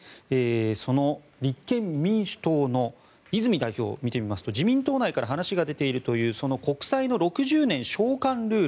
その立憲民主党の泉代表見てみますと自民党内から話が出ているというその国債の６０年償還ルール